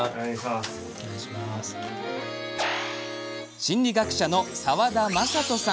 心理学者の澤田匡人さん。